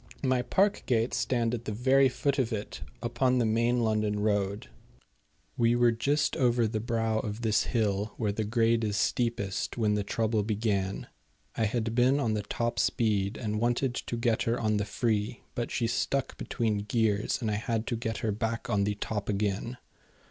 My park gates stand at the very foot of it upon the main London road. We were just over the brow of this hill, where the grade is steepest, when the trouble began. I had been on the top speed, and wanted to get her on the free; but she stuck between gears, and I had to get her back on the top again.